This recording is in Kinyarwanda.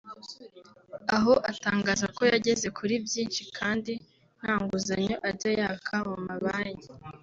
aho atangaza ko yageze kuri byinshi kandi nta nguzanyo ajya yaka mu mabanki